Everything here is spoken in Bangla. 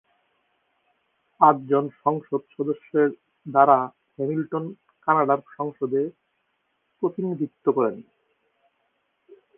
পাঁচ জন সংসদ সদস্যের দ্বারা হ্যামিল্টন কানাডার সংসদে প্রতিনিধিত্ব করেন।